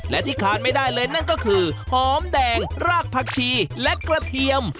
และที่ขาดไม่ได้เลยนั่นก็คือหอมแดงรากผักชีและกระเทียม